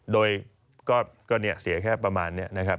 โดยก็เสียแค่ประมาณนี้นะครับ